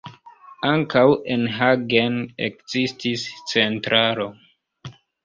Ankaŭ en Hagen ekzistis centralo.